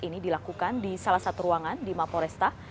ini dilakukan di salah satu ruangan di maporesta